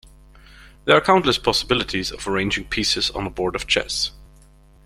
There are countless possibilities of arranging pieces on a board of chess.